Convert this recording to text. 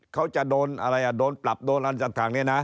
เขาจะโดนอะไรโดนปรับโดนอันสันทางเนี่ยนะ